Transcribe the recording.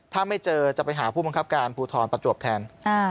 ถ้าไม่เจอจะไปหาผู้บังคับการภูทรประจวบแทน